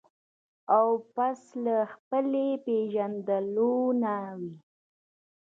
او پس له حملې د پېژندلو نه وي.